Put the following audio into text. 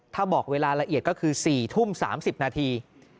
ถ้าบอกเวลาละเอียดก็คือ๔ทุ่ม๓๐นาที